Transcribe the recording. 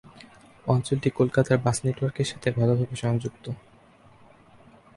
অঞ্চলটি কলকাতার বাস নেটওয়ার্কের সাথে ভালভাবে সংযুক্ত।